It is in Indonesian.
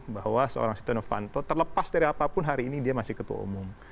bahwa seorang sitonofanto terlepas dari apapun hari ini dia masih ketua umum